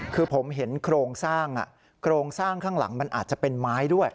คือผมเห็นโครงสร้างโครงสร้างข้างหลังมันอาจจะเป็นไม้ด้วย